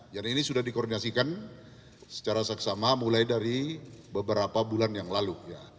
jadi ini sudah dikoordinasikan secara seksama mulai dari beberapa bulan yang lalu